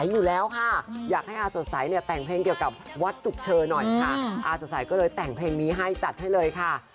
คืออาร์สสสปลอดเพลงไหมนะคะชื่อเพลงว่า